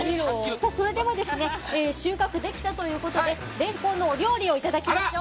それでは収穫できたということでレンコンのお料理をいただきましょう。